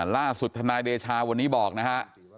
ล่าสุดทนายเดชาวันนี้บอกนะครับ